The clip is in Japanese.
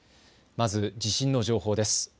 まず地震の情報です。